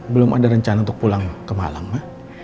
belum ada rencana untuk pulang ke malam ma